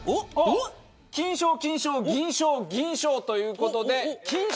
金賞金賞銀賞銀賞という事で金賞。